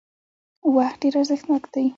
وخت ډېر ارزښتناک دی